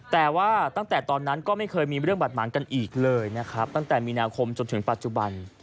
แต่ว่าตั้งแต่ตอนนั้นก็ไม่เคยมีเรื่องบาดหมางกันอีกเลยนะครับตั้งแต่มีนาคมจนถึงปัจจุบัน